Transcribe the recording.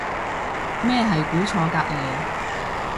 咩係估錯隔離